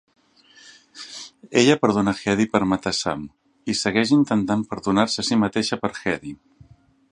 Ella perdona Hedy per matar Sam, i segueix intentant perdonar-se a si mateixa per Hedy.